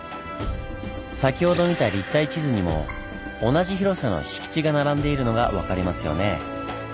先ほど見た立体地図にも同じ広さの敷地が並んでいるのが分かりますよね。